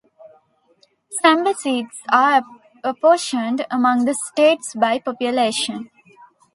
Chamber seats are apportioned among the states by population.